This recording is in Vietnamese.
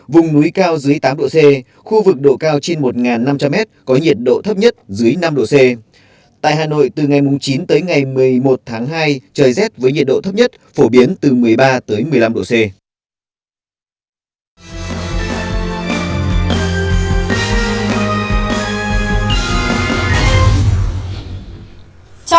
vùng núi cao dưới tám độ c khu vực độ cao trên một năm trăm linh m có nhiệt độ thấp nhất dưới năm độ c tại hà nội từ ngày chín tới ngày một mươi một tháng hai trời rét với nhiệt độ thấp nhất phổ biến từ một mươi ba tới một mươi năm độ c